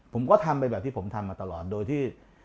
ผมก็ทำไปแบบที่ผมทำมาตลอดโดยที่